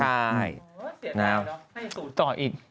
ใช่